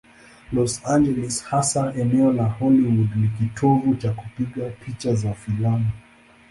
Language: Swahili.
Los Angeles, hasa eneo la Hollywood, ni kitovu cha kupiga picha za filamu.